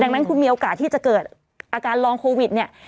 ดังนั้นคุณมีโอกาสที่จะเกิดอาการลองโควิดเนี่ย